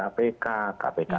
kpk nya diprotok